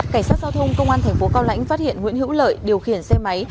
cảnh sát giao thông công an thành phố cao lãnh phát hiện nguyễn hữu lợi điều khiển xe máy